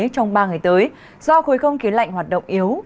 trong ba ngày tới do khối không khí lạnh hoạt động yếu